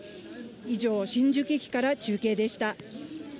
以上、新宿駅から中継でした。